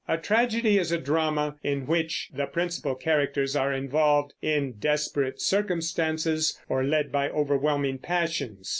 A tragedy is a drama in which the principal characters are involved in desperate circumstances or led by overwhelming passions.